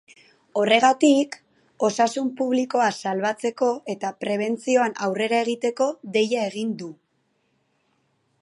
Horregatik, osasun publikoa salbatzeko eta prebentzioan aurrera egiteko deia egin du.